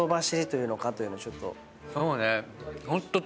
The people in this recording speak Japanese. そうね。